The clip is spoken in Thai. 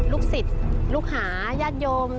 ลูกศิษย์ลูกหาญาติโยม